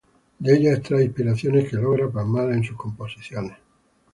De ella extrae inspiración que logra plasmar en sus composiciones.